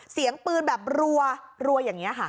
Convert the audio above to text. เสียงปืนแบบรัวอย่างนี้ค่ะ